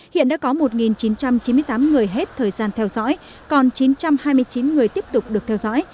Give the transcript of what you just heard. hiện đã có một chín trăm chín mươi tám người hết thời gian theo dõi còn chín trăm hai mươi chín người tiếp tục được theo dõi